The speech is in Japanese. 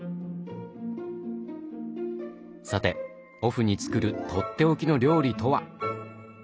さてオフに作るとっておきの料理とは？